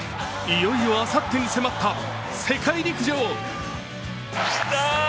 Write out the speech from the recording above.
いよいよあさってに迫った世界陸上。